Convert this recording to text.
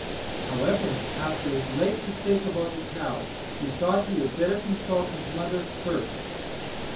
However, after his late mistake about the cow, he thought he had better consult his mother first.